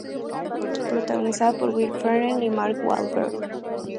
Protagonizada por Will Ferrell y Mark Wahlberg.